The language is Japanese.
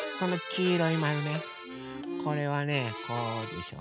これはねこうでしょ。